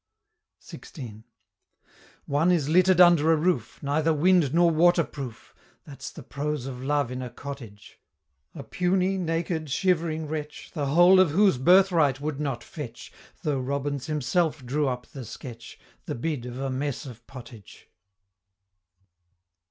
XVI. One is litter'd under a roof Neither wind nor water proof That's the prose of Love in a Cottage A puny, naked, shivering wretch, The whole of whose birthright would not fetch, Though Robins himself drew up the sketch, The bid of "a mess of pottage."